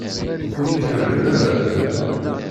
Ur iyi-ḥemmlen ara?